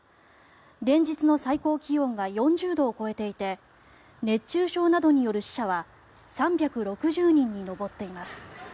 連日の最高気温が４０度を超えていて熱中症などによる死者は３６０人に上っています。